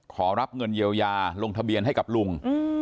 ขอรับเงินเยียวยาลงทะเบียนให้กับลุง